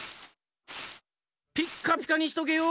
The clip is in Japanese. ピッカピカにしとけよ！